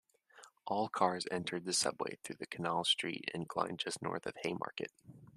All cars entered the subway through the Canal Street Incline just north of Haymarket.